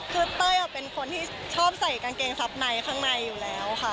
คือเต้ยเป็นคนที่ชอบใส่กางเกงซับในข้างในอยู่แล้วค่ะ